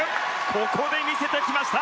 ここで見せてきました！